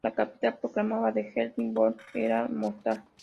La capital proclamada de "Herceg-Bosna" era Mostar.